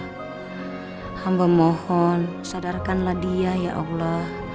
ya allah hamba mohon sadarkanlah dia ya allah